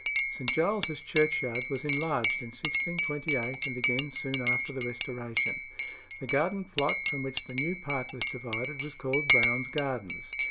St. Giles's Churchyard was enlarged in 1628, and again soon after the Restoration. The garden plot from which the new part was divided was called Brown's Gardens.